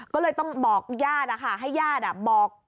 ก็เลยต้องบอกญาตินะคะให้ญาติบอก